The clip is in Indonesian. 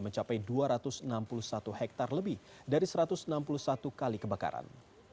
mencapai dua ratus enam puluh satu hektare lebih dari satu ratus enam puluh satu kali kebakaran